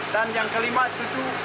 dan yang kelima cucu